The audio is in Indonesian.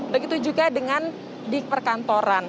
begitu juga dengan di perkantoran